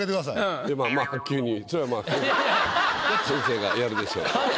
先生がやるでしょう。